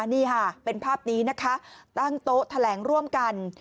นี่ค่ะเป็นภาพนี้นะคะตั้งโต๊ะแถลงร่วมกัน